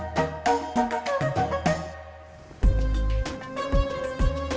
saya udah keluar gang